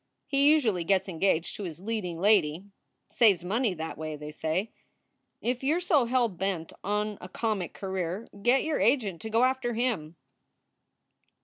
He usually gets engaged to his leading lady saves money that way, they say. If you re so hell bent on a comic career get your agent to go after him."